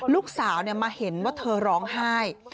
ลูกสาวมาเห็นว่าเธอร้องไห้